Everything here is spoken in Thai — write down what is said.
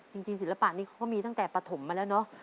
ศิลปะนี้เขามีตั้งแต่ปฐมมาแล้วเนอะ